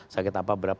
sakit apa berapa